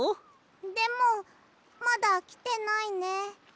でもまだきてないね。